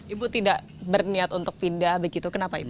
ibu tidak berniat untuk pindah begitu kenapa ibu